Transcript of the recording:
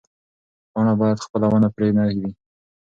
پاڼه باید خپله ونه پرې نه ږدي.